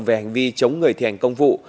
về hành vi chống người thi hành công vụ